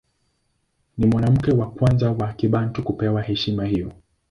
Ni mwanamke wa kwanza wa Kibantu kupewa heshima hiyo.